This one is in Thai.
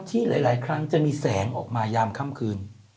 ที่หลายครั้งจะมีแสงออกมายามค่ำคืน